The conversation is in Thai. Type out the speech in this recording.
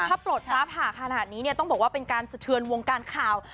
ถ้าปลดฟ้าผ่าขนาดนี้เนี่ยต้องบอกว่าเป็นการสะเทือนวงการข่าว